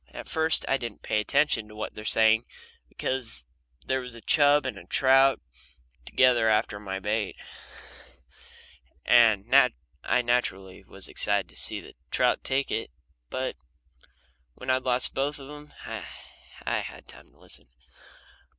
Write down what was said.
At first I didn't pay attention to what they were saying, because there was a chub and a trout together after my bait, and I naturally was excited to see if the trout would take it. But when I'd lost both of them I had time to listen.